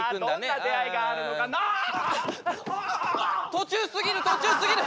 途中すぎる途中すぎる！